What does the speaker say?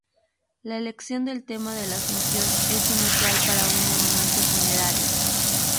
La elección del tema de la Asunción es inusual para un monumento funerario.